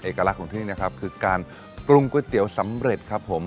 ลักษณ์ของที่นี่นะครับคือการปรุงก๋วยเตี๋ยวสำเร็จครับผม